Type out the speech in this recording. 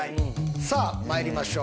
さあまいりましょう。